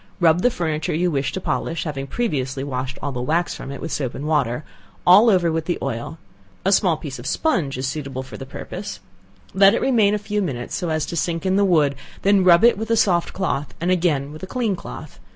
Rub the furniture you wish to polish (having previously washed all the wax from it with soap and water) all over with the oil; a small piece of sponge is suitable for the purpose, let it remain a few minutes so as to sink in the wood; then rub it in with a soft cloth, and again with a clean cloth.